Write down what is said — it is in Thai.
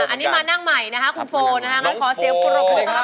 อันนี้มานั่งใหม่นะคะคุณโฟล์ขอเสียบกรกเจ้าขออนุญาต้อนรับคุณโฟล์